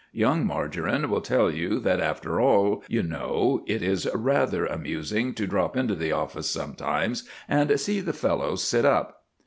Young Margarine will tell you that, "after all, you know, it is rather amusing to drop into the office sometimes and see the fellows sit up."